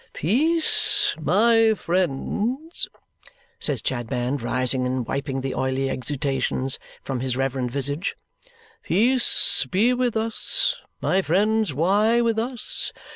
"Peace, my friends," says Chadband, rising and wiping the oily exudations from his reverend visage. "Peace be with us! My friends, why with us?